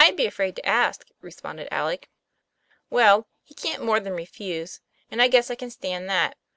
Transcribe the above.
'I'd be afraid to ask," responded Alec. 'Well, he can't more than refuse, and I guess I can stand that.